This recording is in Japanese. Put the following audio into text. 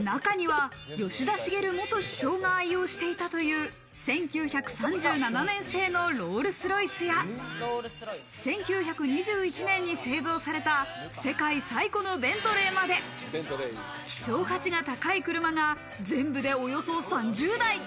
中には吉田茂元首相が愛用していたという１９３７年製のロールス・ロイスや１９２１年に製造された世界最古のベントレーまで、希少価値が高い車が全部でおよそ３０台。